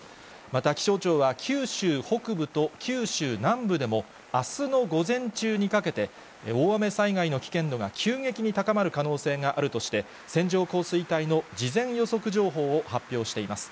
また、気象庁は九州北部と九州南部でも、あすの午前中にかけて、大雨災害の危険度が急激に高まる可能性があるとして、線状降水帯の事前予測情報を発表しています。